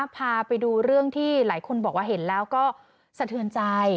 พาไปดูเรื่องที่หลายคนบอกว่าเห็นแล้วก็สะเทือนใจ